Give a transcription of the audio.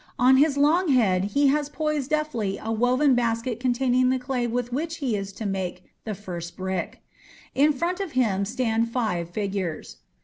On his long head he has poised deftly a woven basket containing the clay with which he is to make the first brick. In front of him stand five figures.